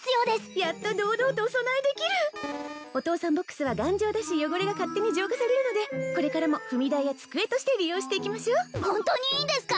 やっと堂々とお供えできるお父さんボックスは頑丈だし汚れが勝手に浄化されるのでこれからも踏み台や机として利用していきましょうホントにいいんですか！？